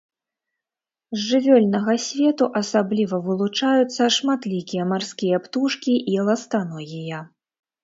З жывёльнага свету асабліва вылучаюцца шматлікія марскія птушкі і ластаногія.